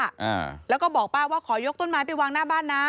อ่าแล้วก็บอกป้าว่าขอยกต้นไม้ไปวางหน้าบ้านนะ